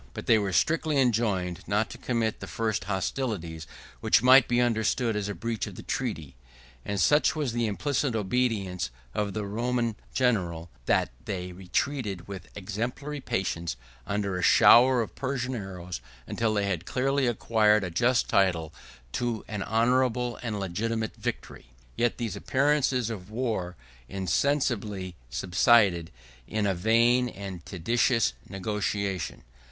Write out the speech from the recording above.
But they were strictly enjoined not to commit the first hostilities, which might be understood as a breach of the treaty: and such was the implicit obedience of the Roman general, that they retreated, with exemplary patience, under a shower of Persian arrows till they had clearly acquired a just title to an honorable and legitimate victory. Yet these appearances of war insensibly subsided in a vain and tedious negotiation.